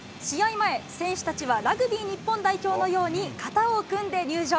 前、選手たちはラグビー日本代表のように肩を組んで入場。